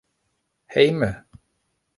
hejme